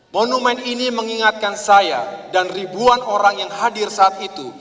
monumen ini mengingatkan saya dan ribuan orang yang hadir saat itu